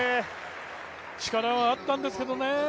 力はあったんですけどね。